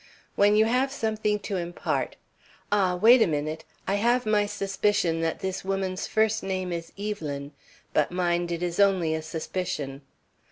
"When you have something to impart. Ah, wait a minute. I have my suspicion that this woman's first name is Evelyn. But, mind, it is only a suspicion."